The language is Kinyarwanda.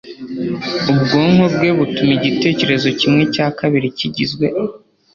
Ubwonko bwe butuma igitekerezo kimwe cya kabiri kigizwe